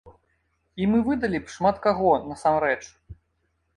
І мы выдалі б шмат каго, насамрэч.